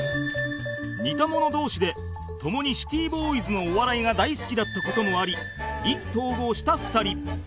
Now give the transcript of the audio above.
似た者同士でともにシティボーイズのお笑いが大好きだった事もあり意気投合した２人